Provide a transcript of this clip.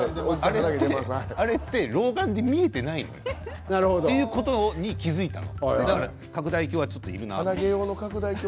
あれって老眼で見えていないのよということに気がついたの。